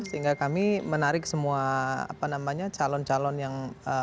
sehingga kami menarik semua calon calon yang